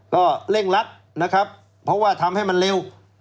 ก็เร่งรักเพราะว่าทำให้มันเร็ว